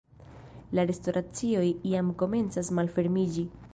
la restoracioj jam komencas malfermiĝi